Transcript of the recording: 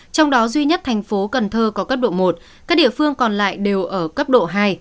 trong đó duy nhất thành phố cần thơ có cấp độ một các địa phương còn lại đều ở cấp độ hai